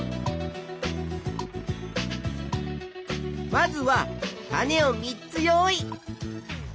まずは種を３つ用意。